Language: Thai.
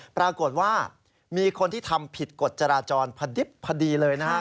ปรากฏว่ามีคนที่ทำผิดกฎจราจรพอดิบพอดีเลยนะครับ